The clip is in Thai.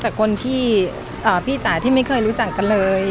จากคนที่พี่จ๋าที่ไม่เคยรู้จักกันเลย